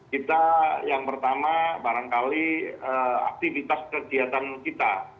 kita yang pertama barangkali aktivitas kegiatan kita